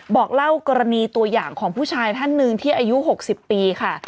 บอกเล่ากรณีตัวอย่างของผู้ชายท่านหนึ่งที่อายุ๖๐ปีค่ะ